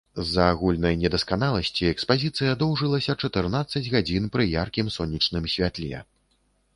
З-за агульнай недасканаласці экспазіцыя доўжылася чатырнаццаць гадзін пры яркім сонечным святле.